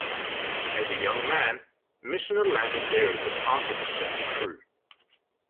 As a young man, Michener landed there as a part of a ship crew.